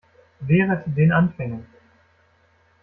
Wehret den Anfängen!